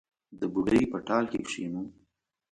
د بوډۍ په ټال کې کښېنو